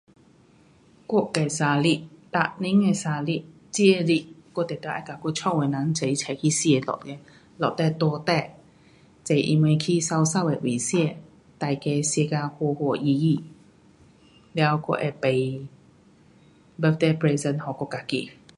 我的生日，每年的生日，正日，我定得跟我家的人齐出去吃咯。了我带你，坐什么去美美的位吃，每个吃了欢欢喜喜，了我会买 birthday present 给我自己。